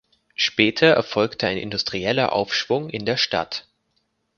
Später erfolgte ein industrieller Aufschwung in der Stadt.